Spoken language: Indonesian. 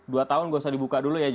dua tahun nggak usah dibuka dulu ya